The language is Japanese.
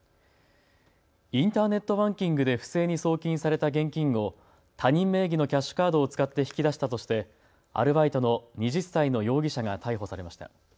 インターネットバンキングで不正に送金された現金を他人名義のキャッシュカードを使って引き出したとしてアルバイトの２０歳の容疑者が逮捕されました。